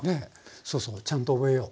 そうそうちゃんと覚えよう。